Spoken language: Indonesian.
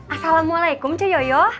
assalamualaikum ce yoyo